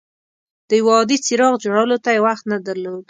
د یو عادي څراغ جوړولو ته یې وخت نه درلود.